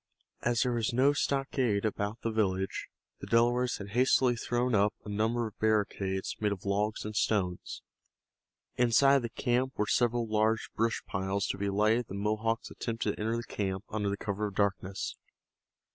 As there was no stockade about the village, the Delawares had hastily thrown up a number of barricades made of logs and stones. Inside of the camp were several large brush piles to be lighted if the Mohawks attempted to enter the camp under cover of the darkness.